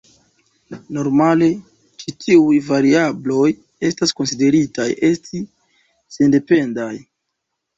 Normale ĉi tiuj variabloj estas konsideritaj esti sendependaj.